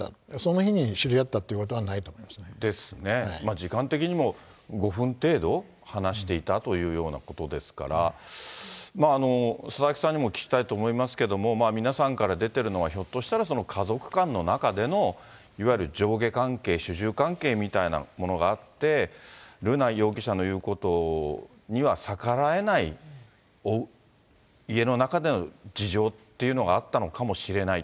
時間的にも５分程度話していたというようなことですから、佐々木さんにも聞きたいと思いますけれども、皆さんから出てるのは、ひょっとしたら家族間の中での、いわゆる上下関係、主従関係みたいなものがあって、瑠奈容疑者の言うことには逆らえない、家の中での事情っていうのがあったのかもしれない。